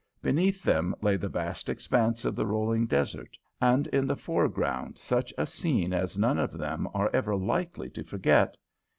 Beneath them lay the vast expanse of the rolling desert, and in the foreground such a scene as none of them are ever likely to forget.